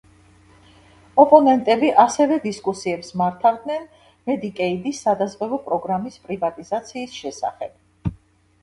ოპონენტები ასევ დისკუსიებს მართვდნენ მედიკეიდის სადაზღვევო პროგრამის პრივატიზაციის შესახებ.